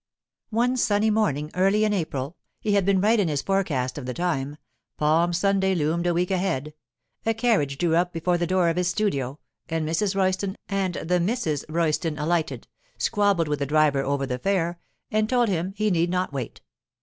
One sunny morning early in April (he had been right in his forecast of the time: Palm Sunday loomed a week ahead) a carriage drew up before the door of his studio, and Mrs. Royston and the Misses Royston alighted, squabbled with the driver over the fare, and told him he need not wait.